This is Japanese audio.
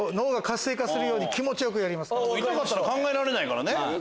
痛かったら考えられないからね。